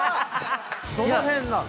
どの辺なの？